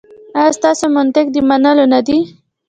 ایا ستاسو منطق د منلو نه دی؟